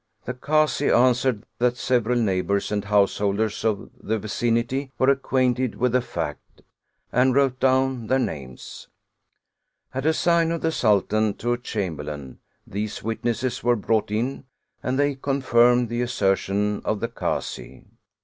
The Kazi answered that several neighbors and house holders of the vicinity wef e acquainted with the fact, and wrote down their names; at a sign of the Sultan to a Chamberlain, these witnesses were brought in, and they confirmed the assertion of the Kazi.